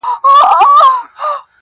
که هر څو خلګ ږغېږي چي بدرنګ یم.